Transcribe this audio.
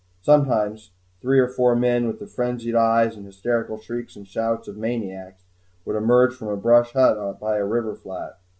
Sometimes three or four men, with the frenzied eyes and hysterical shrieks and shouts of maniacs, would emerge from a brush hut by a river flat.